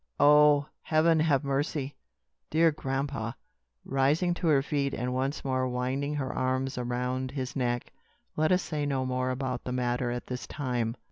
Oh, Heaven have mercy!" "Dear grandpa!" rising to her feet and once more winding her arms around his neck, "let us say no more about the matter at this time.